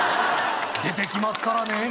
「出てきますからね」